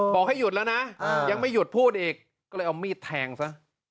บอกให้หยุดแล้วนะยังไม่หยุดพูดอีกก็เลยเอามีดแทงซะ